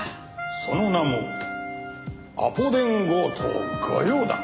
その名も『アポ電強盗御用だ！』。